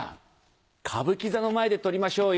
歌舞伎座の前で撮りましょうよ。